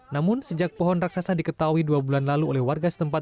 namun sejak pohon raksasa diketahui dua bulan lalu oleh warga setempat